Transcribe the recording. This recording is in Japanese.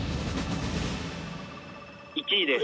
「１位です」